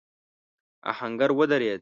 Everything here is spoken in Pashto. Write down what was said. آهنګر ودرېد.